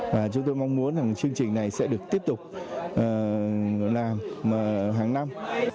và chúng tôi mong muốn rằng chương trình này sẽ được tiếp tục làm hàng năm